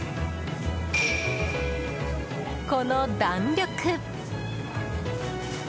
この弾力。